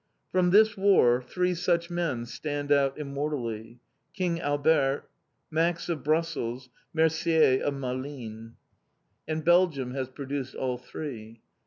From this War three such men stand out immortally King Albert, Max of Brussels, Mercier of Malines. And Belgium has produced all three!